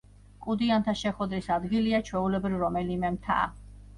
კუდიანთა შეხვედრის ადგილია, ჩვეულებრივ, რომელიმე მთა.